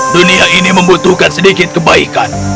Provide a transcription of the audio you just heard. dunia ini membutuhkan sedikit kebaikan